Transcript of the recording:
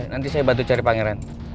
nanti saya bantu cari pangeran